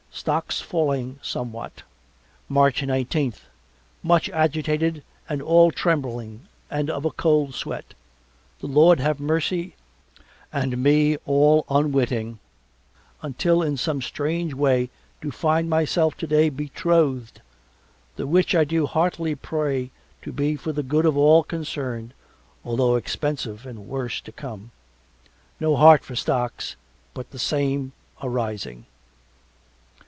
Stocks falling somewhat. March nineteenth Much agitated and all trembling and of a cold sweat. The Lord have mercy and me all unwitting until in some strange way do find myself today betrothed the which I do heartily pray to be for the good of all concerned, although expensive and worse to come. No heart for stocks, but the same arising.